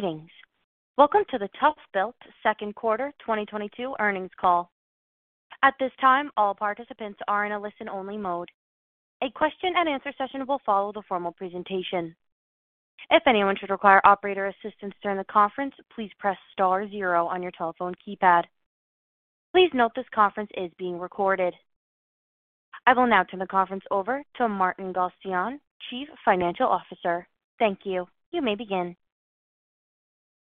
Greetings. Welcome to the ToughBuilt second quarter 2022 earnings call. At this time, all participants are in a listen-only mode. A question and answer session will follow the formal presentation. If anyone should require operator assistance during the conference, please press star zero on your telephone keypad. Please note this conference is being recorded. I will now turn the conference over to Martin Galstyan, Chief Financial Officer. Thank you. You may begin.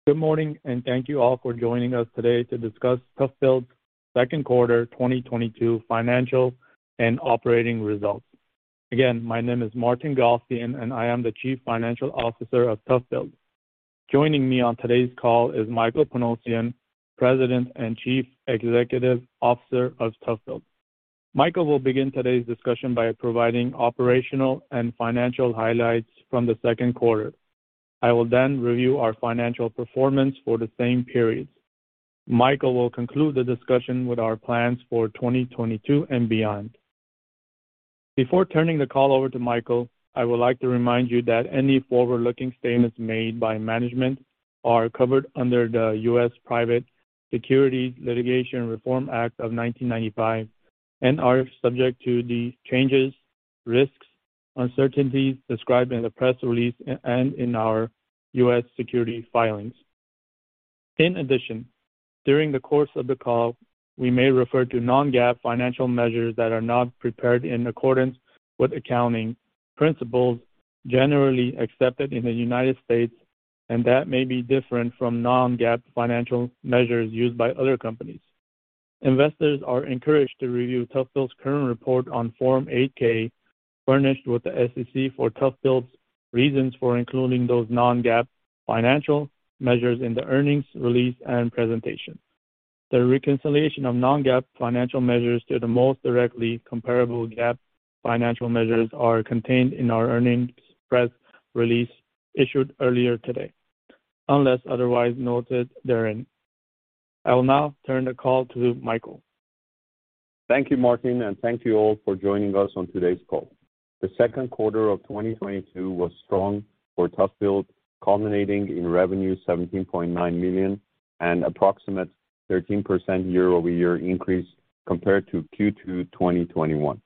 Good morning, and thank you all for joining us today to discuss ToughBuilt's second quarter 2022 financial and operating results. Again, my name is Martin Galstyan, and I am the Chief Financial Officer of ToughBuilt. Joining me on today's call is Michael Panosian, President and Chief Executive Officer of ToughBuilt. Michael will begin today's discussion by providing operational and financial highlights from the second quarter. I will then review our financial performance for the same period. Michael will conclude the discussion with our plans for 2022 and beyond. Before turning the call over to Michael, I would like to remind you that any forward-looking statements made by management are covered under the U.S. Private Securities Litigation Reform Act of 1995 and are subject to the changes, risks, uncertainties described in the press release and in our U.S. securities filings. In addition, during the course of the call, we may refer to non-GAAP financial measures that are not prepared in accordance with accounting principles generally accepted in the United States and that may be different from non-GAAP financial measures used by other companies. Investors are encouraged to review ToughBuilt's current report on Form 8-K furnished with the SEC for ToughBuilt's reasons for including those non-GAAP financial measures in the earnings release and presentation. The reconciliation of non-GAAP financial measures to the most directly comparable GAAP financial measures are contained in our earnings press release issued earlier today, unless otherwise noted therein. I will now turn the call to Michael. Thank you, Martin, and thank you all for joining us on today's call. The second quarter of 2022 was strong for ToughBuilt, culminating in revenue 17.9 million and approximate 13% year-over-year increase compared to Q2 2021.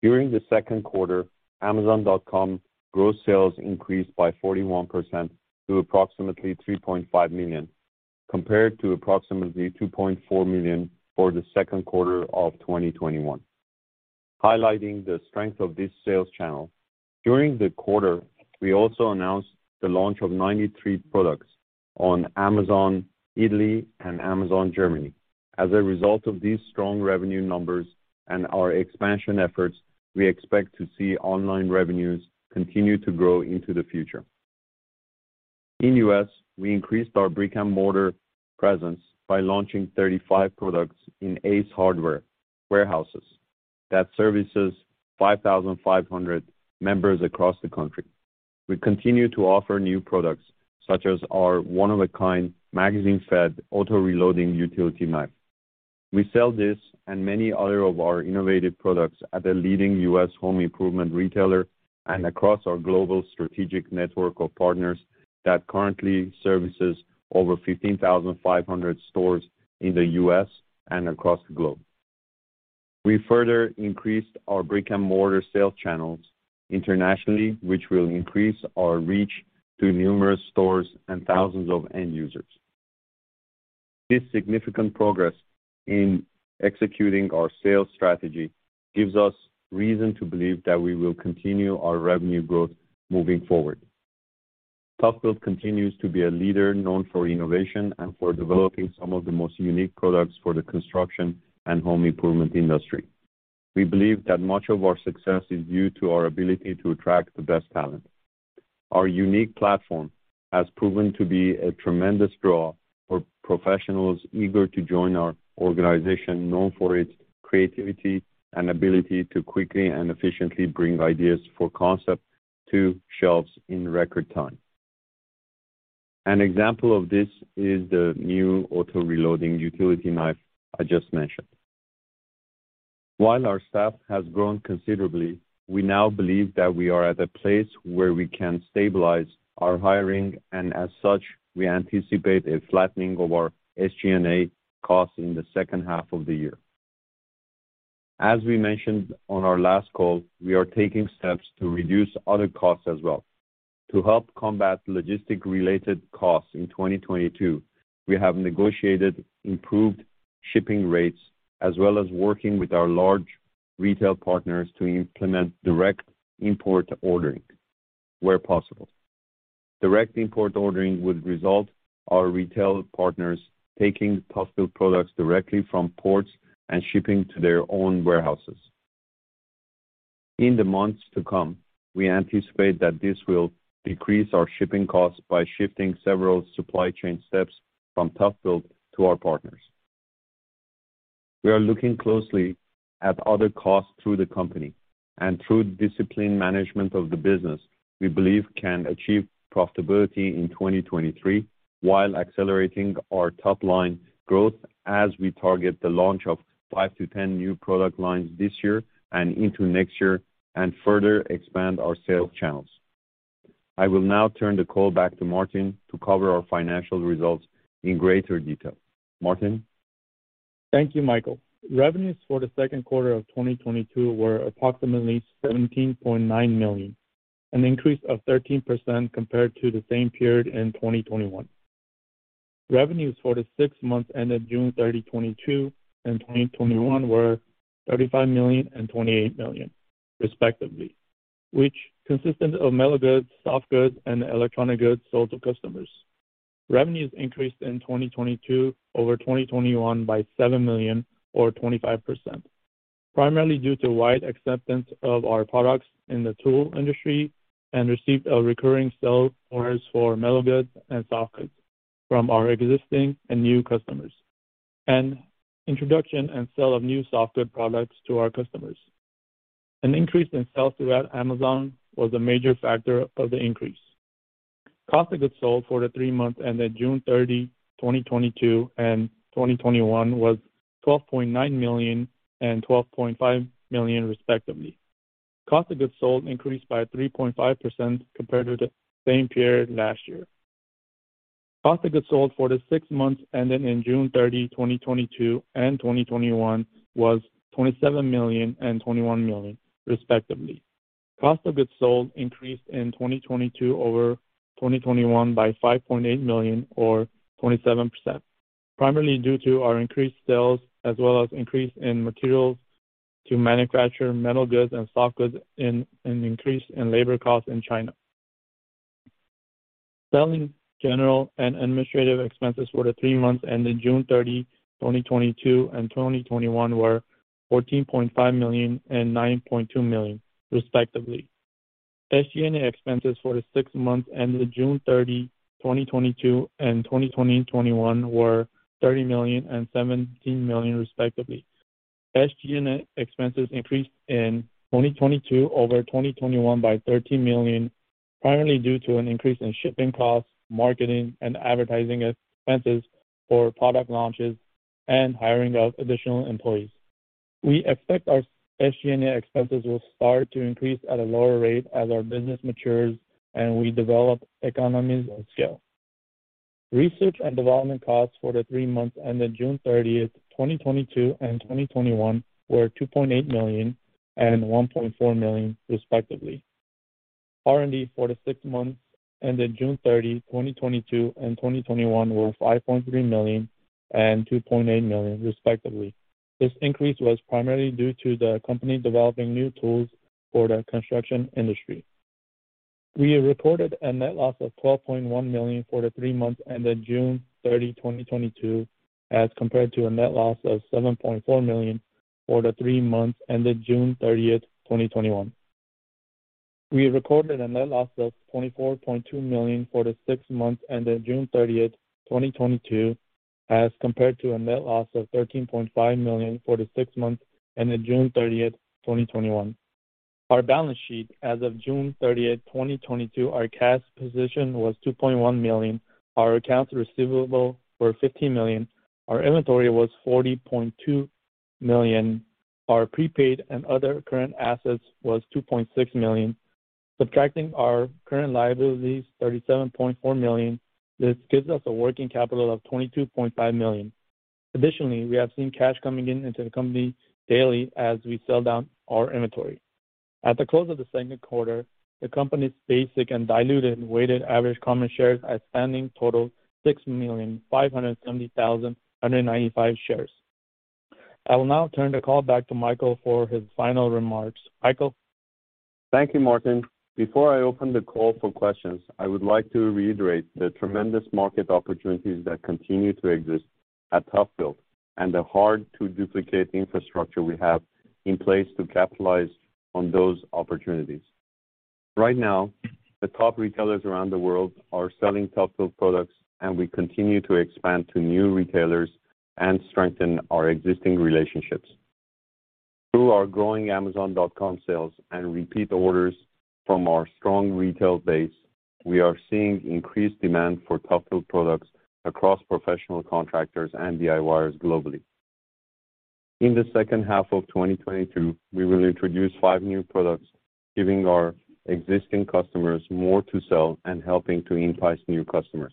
During the second quarter, Amazon.com gross sales increased by 41% to approximately 3.5 million, compared to approximately 2.4 million for the second quarter of 2021. Highlighting the strength of this sales channel, during the quarter, we also announced the launch of 93 products on Amazon.it and Amazon.de. As a result of these strong revenue numbers and our expansion efforts, we expect to see online revenues continue to grow into the future. In US, we increased our brick-and-mortar presence by launching 35 products in Ace Hardware warehouses that services 5,500 members across the country. We continue to offer new products, such as our one-of-a-kind magazine-fed auto-reloading utility knife. We sell this and many other of our innovative products at a leading U.S. home improvement retailer and across our global strategic network of partners that currently services over 15,500 stores in the U.S. and across the globe. We further increased our brick-and-mortar sales channels internationally, which will increase our reach to numerous stores and thousands of end users. This significant progress in executing our sales strategy gives us reason to believe that we will continue our revenue growth moving forward. ToughBuilt continues to be a leader known for innovation and for developing some of the most unique products for the construction and home improvement industry. We believe that much of our success is due to our ability to attract the best talent. Our unique platform has proven to be a tremendous draw for professionals eager to join our organization, known for its creativity and ability to quickly and efficiently bring ideas for concept to shelves in record time. An example of this is the new Reload Utility Knife I just mentioned. While our staff has grown considerably, we now believe that we are at a place where we can stabilize our hiring, and as such, we anticipate a flattening of our SG&A costs in the second half of the year. As we mentioned on our last call, we are taking steps to reduce other costs as well. To help combat logistic-related costs in 2022, we have negotiated improved shipping rates as well as working with our large retail partners to implement direct import ordering where possible. Direct import ordering would result in our retail partners taking ToughBuilt products directly from ports and shipping to their own warehouses. In the months to come, we anticipate that this will decrease our shipping costs by shifting several supply chain steps from ToughBuilt to our partners. We are looking closely at other costs throughout the company, and through disciplined management of the business, we believe we can achieve profitability in 2023 while accelerating our top-line growth as we target the launch of five-10 new product lines this year and into next year and further expand our sales channels. I will now turn the call back to Martin to cover our financial results in greater detail. Martin? Thank you, Michael. Revenues for the second quarter of 2022 were approximately 17.9 million, an increase of 13% compared to the same period in 2021. Revenues for the six months ended June 30, 2022 and 2021 were 35 million and 28 million respectively, which consisted of metal goods, soft goods, and electronic goods sold to customers. Revenues increased in 2022 over 2021 by 7 million or 25%, primarily due to wide acceptance of our products in the tool industry and received a recurring sale orders for metal goods and soft goods from our existing and new customers, and introduction and sale of new soft good products to our customers. An increase in sales throughout Amazon was a major factor of the increase. Cost of goods sold for the three months ended June 30, 2022 and 2021 was 12.9 million and 12.5 million respectively. Cost of goods sold increased by 3.5% compared to the same period last year. Cost of goods sold for the six months ended in June 30, 2022 and 2021 was 27 million and 21 million respectively. Cost of goods sold increased in 2022 over 2021 by 5.8 million or 27%, primarily due to our increased sales as well as increase in materials to manufacture metal goods and soft goods and an increase in labor costs in China. Selling, general, and administrative expenses for the three months ended June 30, 2022 and 2021 were 14.5 million and 9.2 million respectively. SG&A expenses for the six months ended June 30, 2022 and 2021 were 30 million and 17 million respectively. SG&A expenses increased in 2022 over 2021 by $13 million, primarily due to an increase in shipping costs, marketing and advertising expenses for product launches, and hiring of additional employees. We expect our SG&A expenses will start to increase at a lower rate as our business matures and we develop economies of scale. Research and development costs for the three months ended June 30, 2022 and 2021 were 2.8 million and 1.4 million respectively. R&D for the six months ended June 30, 2022 and 2021 were 5.3 million and2.8 million respectively. This increase was primarily due to the company developing new tools for the construction industry. We reported a net loss of 2.1 million for the three months ended June 30, 2022 as compared to a net loss of 7.4 million for the three months ended June 30, 2021. We recorded a net loss of 24.2 million for the six months ended June 30, 2022 as compared to a net loss of 13.5 million for the six months ended June 30, 2021. Our balance sheet as of June 30, 2022, our cash position was 2.1 million. Our accounts receivable were 15 million. Our inventory was 40.2 million. Our prepaid and other current assets was 2.6 million. Subtracting our current liabilities, 37.4 million, this gives us a working capital of 22.5 million. Additionally, we have seen cash coming into the company daily as we sell down our inventory. At the close of the second quarter, the company's basic and diluted weighted average common shares outstanding totaled 6,570,195 shares. I will now turn the call back to Michael for his final remarks. Michael. Thank you, Martin. Before I open the call for questions, I would like to reiterate the tremendous market opportunities that continue to exist at ToughBuilt and the hard-to-duplicate infrastructure we have in place to capitalize on those opportunities. Right now, the top retailers around the world are selling ToughBuilt products, and we continue to expand to new retailers and strengthen our existing relationships. Through our growing Amazon.com sales and repeat orders from our strong retail base, we are seeing increased demand for ToughBuilt products across professional contractors and DIYers globally. In the second half of 2022, we will introduce five new products, giving our existing customers more to sell and helping to entice new customers.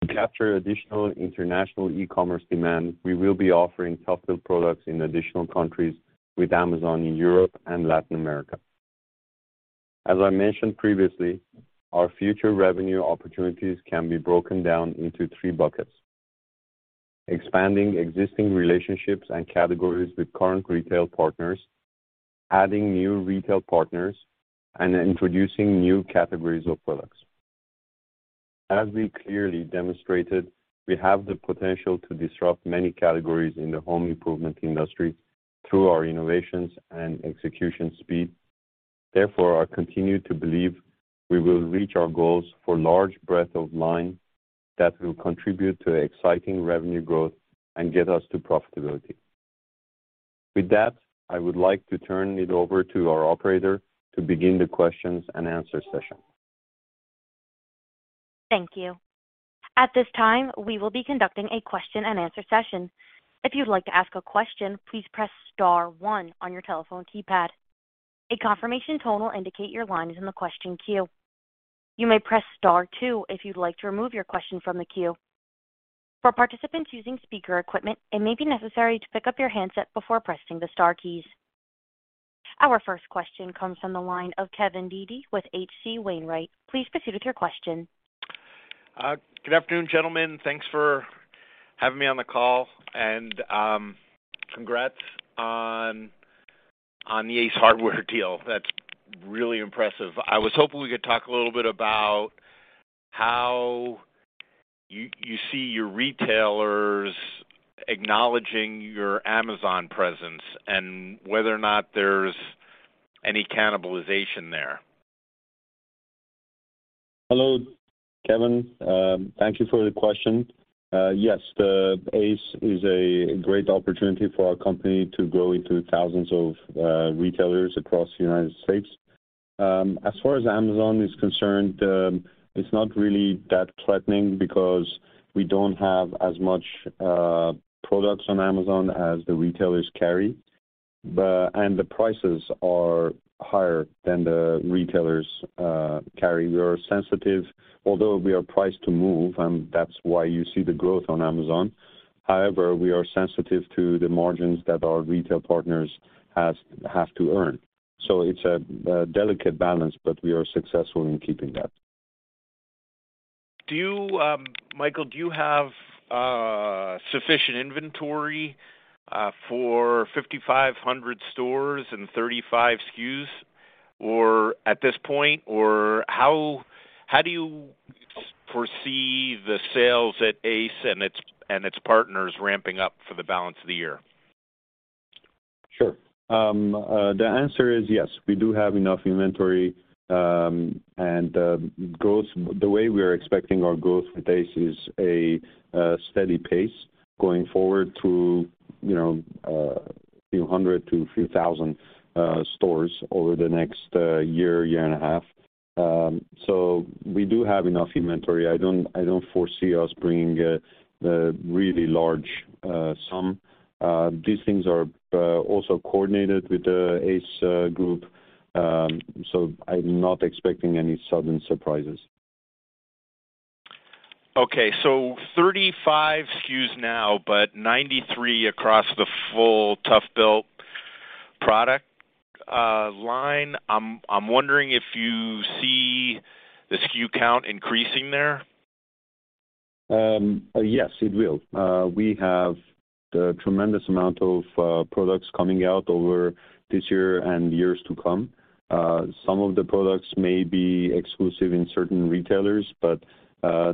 To capture additional international e-commerce demand, we will be offering ToughBuilt products in additional countries with Amazon in Europe and Latin America. As I mentioned previously, our future revenue opportunities can be broken down into three buckets. Expanding existing relationships and categories with current retail partners, adding new retail partners, and introducing new categories of products. As we clearly demonstrated, we have the potential to disrupt many categories in the home improvement industry through our innovations and execution speed. Therefore, I continue to believe we will reach our goals for large breadth of line that will contribute to exciting revenue growth and get us to profitability. With that, I would like to turn it over to our operator to begin the question and answer session. Thank you. At this time, we will be conducting a question and answer session. If you'd like to ask a question, please press star one on your telephone keypad. A confirmation tone will indicate your line is in the question queue. You may press star two if you'd like to remove your question from the queue. For participants using speaker equipment, it may be necessary to pick up your handset before pressing the star keys. Our first question comes from the line of Kevin Dede with H.C. Wainwright & Co. Please proceed with your question. Good afternoon, gentlemen. Thanks for having me on the call, and congrats on the Ace Hardware deal. That's really impressive. I was hoping we could talk a little bit about how you see your retailers acknowledging your Amazon presence and whether or not there's any cannibalization there. Hello, Kevin. Thank you for the question. Yes, the Ace is a great opportunity for our company to grow into thousands of retailers across the United States. As far as Amazon is concerned, it's not really that threatening because we don't have as much products on Amazon as the retailers carry, but and the prices are higher than the retailers carry. We are sensitive, although we are priced to move, and that's why you see the growth on Amazon. However, we are sensitive to the margins that our retail partners have to earn. It's a delicate balance, but we are successful in keeping that. Do you, Michael, have sufficient inventory for 5,500 stores and 35 SKUs or at this point, or how do you foresee the sales at Ace and its partners ramping up for the balance of the year? Sure. The answer is yes. We do have enough inventory. The way we are expecting our growth with Ace is a steady pace going forward to, you know, a few hundred to a few thousand stores over the next year and a half. So we do have enough inventory. I don't foresee us bringing a really large sum. These things are also coordinated with the Ace group. So I'm not expecting any sudden surprises. Okay. 35 SKUs now, but 93 across the full ToughBuilt product line. I'm wondering if you see the SKU count increasing there. Yes, it will. We have a tremendous amount of products coming out over this year and years to come. Some of the products may be exclusive in certain retailers, but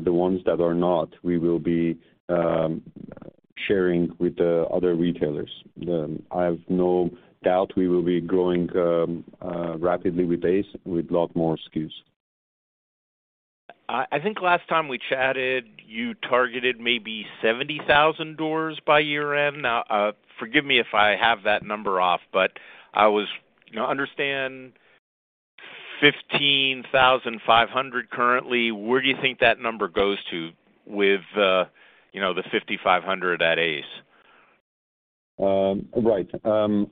the ones that are not, we will be sharing with the other retailers. I have no doubt we will be growing rapidly with Ace with a lot more SKUs. I think last time we chatted, you targeted maybe 70,000 doors by year-end. Now, forgive me if I have that number off. You know, I understand 15,500 currently. Where do you think that number goes to with, you know, the 5,500 at Ace? Right.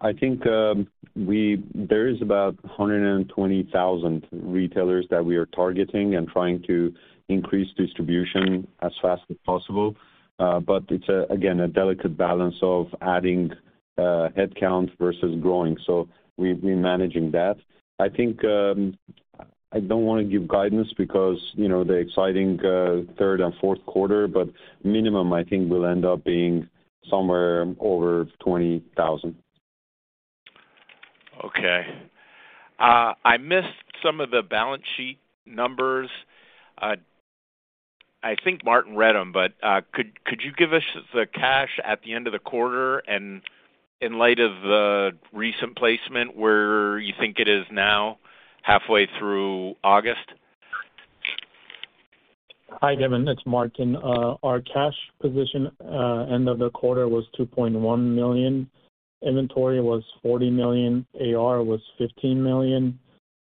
I think there is about 120,000 retailers that we are targeting and trying to increase distribution as fast as possible. It's again a delicate balance of adding headcount versus growing. We're managing that. I think I don't want to give guidance because, you know, the exciting third and fourth quarter, but minimum, I think, will end up being somewhere over 20,000. Okay. I missed some of the balance sheet numbers. I think Martin read them, but could you give us the cash at the end of the quarter and in light of the recent placement, where you think it is now halfway through August? Hi, Kevin. It's Martin. Our cash position, end of the quarter, was 2.1 million. Inventory was 40 million. AR was 15 million.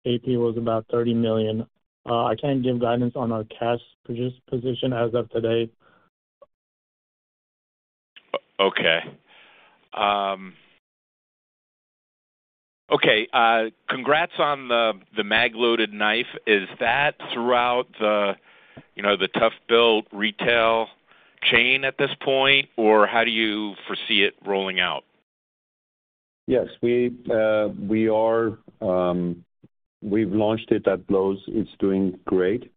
AP was about 30 million. I can't give guidance on our cash position as of today. Okay. Okay, congrats on the mag-loaded knife. Is that throughout the, you know, the ToughBuilt retail chain at this point, or how do you foresee it rolling out? Yes. We've launched it at Lowe's. It's doing great.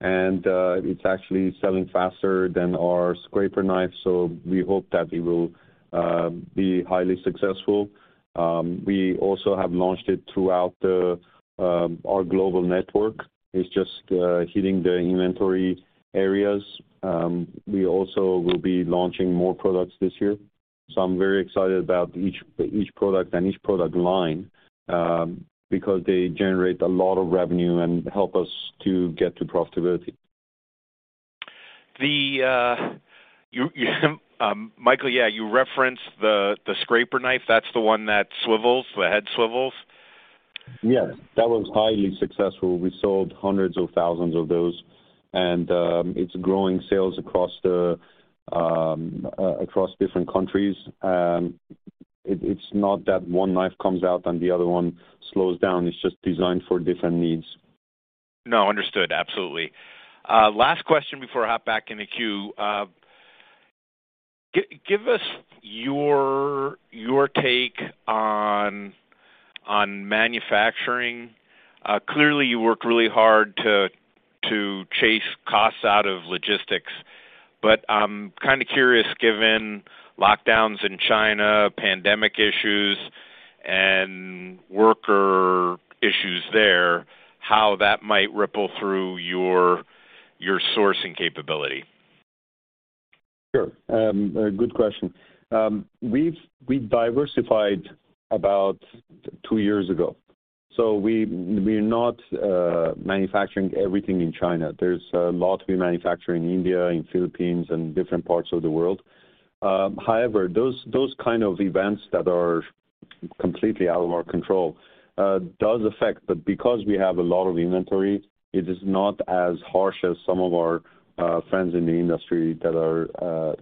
It's actually selling faster than our scraper knife, so we hope that it will be highly successful. We also have launched it throughout our global network. It's just hitting the inventory areas. We also will be launching more products this year, so I'm very excited about each product and each product line because they generate a lot of revenue and help us to get to profitability. Michael, yeah, you referenced the Scraper Knife. That's the one that swivels, the head swivels? Yes. That was highly successful. We sold hundreds of thousands of those. It's growing sales across different countries. It's not that one knife comes out and the other one slows down. It's just designed for different needs. No, understood. Absolutely. Last question before I hop back in the queue. Give us your take on manufacturing. Clearly, you work really hard to chase costs out of logistics. I'm kinda curious, given lockdowns in China, pandemic issues, and worker issues there, how that might ripple through your sourcing capability. Sure. Good question. We've diversified about two years ago, so we're not manufacturing everything in China. There's a lot we manufacture in India, in Philippines, and different parts of the world. However, those kind of events that are completely out of our control does affect. Because we have a lot of inventory, it is not as harsh as some of our friends in the industry that are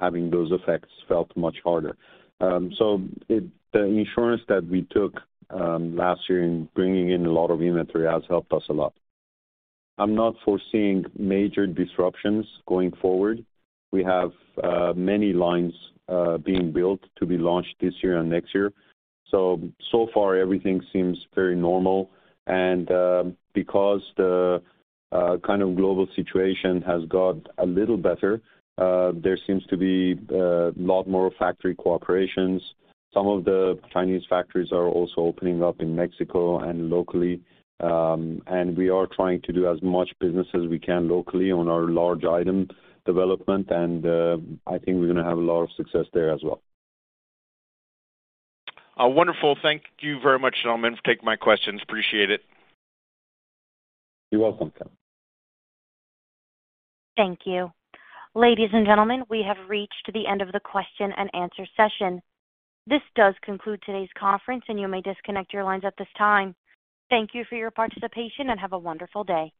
having those effects felt much harder. The insurance that we took last year in bringing in a lot of inventory has helped us a lot. I'm not foreseeing major disruptions going forward. We have many lines being built to be launched this year and next year. So far, everything seems very normal. Because the kind of global situation has got a little better, there seems to be a lot more factory cooperations. Some of the Chinese factories are also opening up in Mexico and locally, and we are trying to do as much business as we can locally on our large item development, and I think we're going to have a lot of success there as well. Wonderful. Thank you very much, gentlemen, for taking my questions. Appreciate it. You're welcome, Tim. Thank you. Ladies and gentlemen, we have reached the end of the question and answer session. This does conclude today's conference, and you may disconnect your lines at this time. Thank you for your participation, and have a wonderful day.